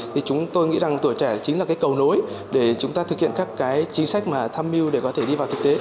thì chúng tôi nghĩ rằng tuổi trẻ chính là cái cầu nối để chúng ta thực hiện các cái chính sách mà tham mưu để có thể đi vào thực tế